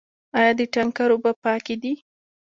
آیا د تانکر اوبه پاکې دي؟